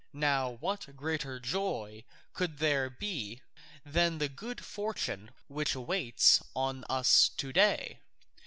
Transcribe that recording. Now what greater joy could there be than the good fortune which waits on us to day?